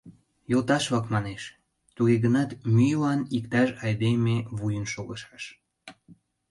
Йолташ-влак, манеш, туге гынат мӱйлан иктаж айдеме вуйын шогышаш...